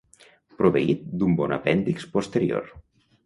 Proveït d'un bon apèndix posterior.